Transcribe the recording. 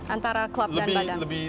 antara club dan badan